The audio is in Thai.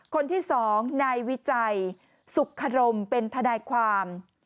คนที่๒นายวิจัยสุขรมเป็นทนายความ